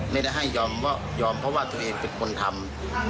ไม่ได้ให้ยอมเพราะว่าตัวเองเป็นคนทำ